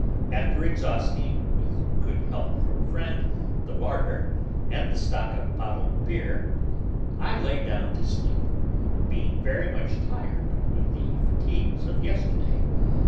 After exhausting (with good help from a friend) the larder, and the stock of bottled beer, I lay down to sleep; being very much tired with the fatigues of yesterday.